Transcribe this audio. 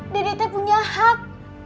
dedete punya hak